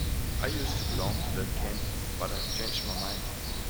I used to belong to that camp, but I have changed my mind.